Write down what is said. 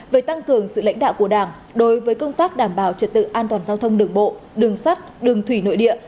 về tăng cường sự lãnh đạo của đảng đối với công tác đảm bảo trật tự an toàn giao thông đường bộ đường sắt đường thủy nội địa